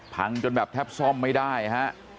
จนแบบแทบซ่อมไม่ได้ฮะ